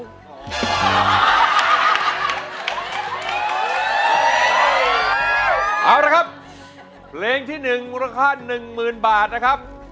นะครับเพรงที่หนึ่งมูลค่า๑หมื่นบาทนะครับ